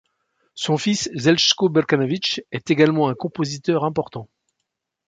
Son fils Željko Brkanović est également un compositeur important.